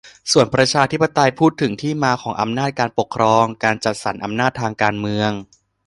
ส่วนประชาธิปไตยพูดถึงที่มาของอำนาจการปกครอง-การจัดสรรอำนาจทางการเมือง